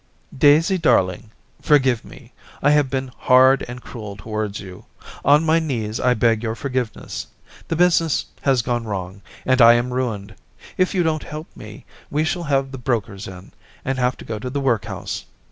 'Daisy Darling, —... Forgive me! ... I have been hard and cruel towards you. ... On my knees I beg your forgiveness. ... The business has gone wrong ... and I am ruined. ... If you don't help me ... we shall have the brokers in ... and have to go to the workhouse.